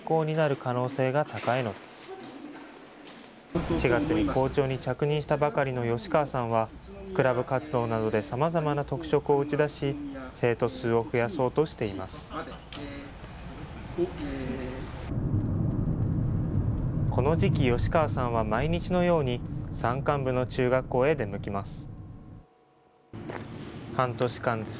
この時期、吉川さんは毎日のように山間部の中学校へ出向きます。